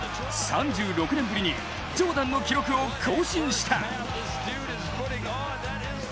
３６年ぶりにジョーダンの記録を更新した。